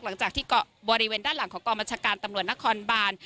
หลังจากที่เกาะบริเวณด้านหลังของกองบัญชาการตำรวจนครบาน